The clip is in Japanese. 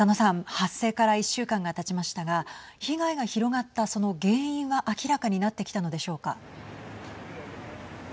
発生から１週間がたちましたが被害が広がったその原因は明らかになってきたのでしょうか。